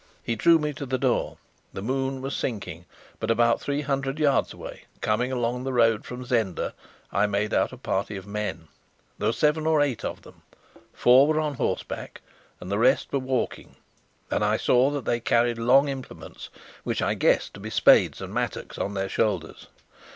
He drew me to the door. The moon was sinking, but about three hundred yards away, coming along the road from Zenda, I made out a party of men. There were seven or eight of them; four were on horseback and the rest were walking, and I saw that they carried long implements, which I guessed to be spades and mattocks, on their shoulders.